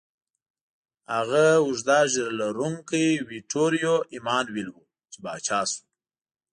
هغه اوږده ږیره لرونکی ویټوریو ایمانویل و، چې پاچا شو.